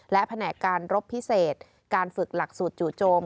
และแผนกการรบพิเศษการฝึกหลักสูตรจู่โจม